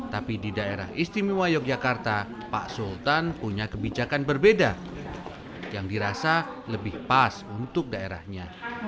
tapi di daerah istimewa yogyakarta pak sultan punya kebijakan berbeda yang dirasa lebih pas untuk daerahnya